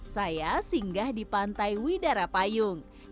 saya singgah di pantai widara payung